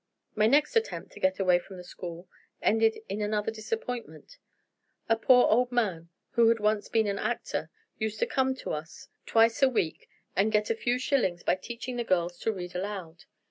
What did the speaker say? My next attempt to get away from the school ended in another disappointment. A poor old man, who had once been an actor, used to come to us twice a week, and get a few shillings by teaching the girls to read aloud.